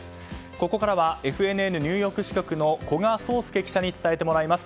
ここからはＦＮＮニューヨーク支局の古賀颯祐記者に伝えてもらいます。